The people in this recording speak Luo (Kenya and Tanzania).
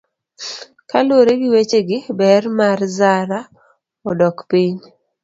Kaluwore gi wechegi, ber mar zaraa odok piny.